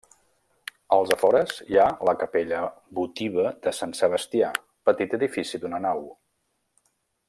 Als afores hi ha la capella votiva de Sant Sebastià, petit edifici d'una nau.